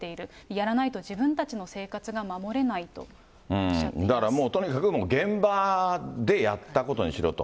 やらないと自分たちの生活が守れだからもうとにかく現場でやったことにしろと。